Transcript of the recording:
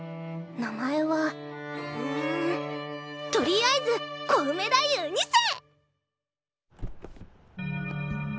名前はうんとりあえずコウメ太夫Ⅱ世！